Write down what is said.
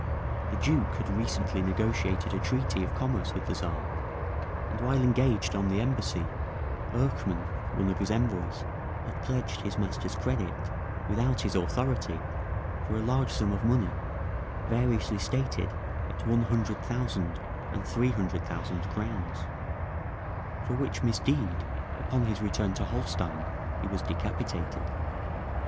The Duke had recently negotiated a treaty of commerce with the Czar, and while engaged on the embassy, Eurchmann, one of his envoys, had pledged his master's credit, without his authority, for a large sum of money, variously stated at one hundred thousand and three hundred thousand crowns; for which misdeed, upon his return to Holstein, he was decapitated.